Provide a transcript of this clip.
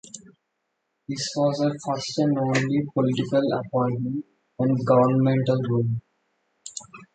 This was her first and only political appointment and governmental role.